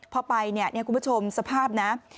พอไปเนี่ยคุณผู้ชมสภาพนะ